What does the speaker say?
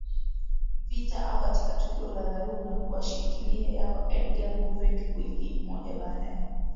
vita au katika tukio la dharura kuwashikilia yao Edgar Guver wiki moja baada ya